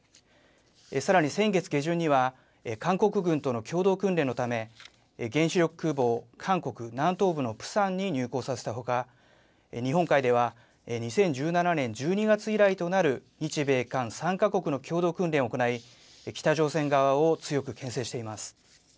さらに先月下旬には、韓国軍との共同訓練のため、原子力空母を韓国南東部のプサンに入港させたほか、日本海では２０１７年１２月以来となる、日米韓３か国の共同訓練を行い、北朝鮮側を強くけん制しています。